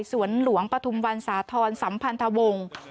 สวนหลวงปฐุมวันสาธรณ์สัมพันธวงศ์